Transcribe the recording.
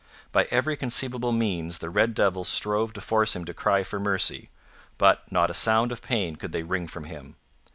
By every conceivable means the red devils strove to force him to cry for mercy. But not a sound of pain could they wring from him.